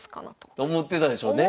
思ってたでしょうね。